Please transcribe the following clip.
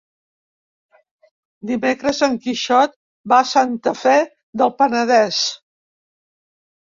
Dimecres en Quixot va a Santa Fe del Penedès.